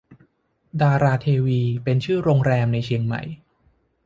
ดาราเทวีเป็นชื่อโรงแรมในเชียงใหม่